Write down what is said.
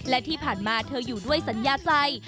และที่ผ่านมาเธออยู่ด้วยสัญญาใจ